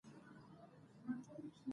او خاص همدغه خلک کامياب دي